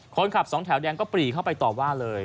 คนขับ๒แถวแดงก็ปลีเข้าไปต่อว่าเลย